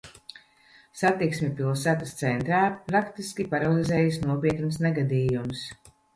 Satiksmi pilsētas centrā praktiski paralizējis nopietns negadījums.